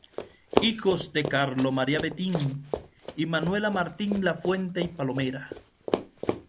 Hijo de Carlos María Bentín y Manuela Martín La Fuente y Palomera.